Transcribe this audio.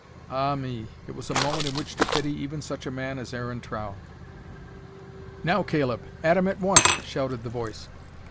Ah me! it was a moment in which to pity even such a man as Aaron Trow. "Now, Caleb, at him at once!" shouted the voice.